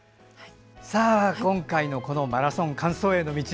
今回のこの「マラソン完走への道」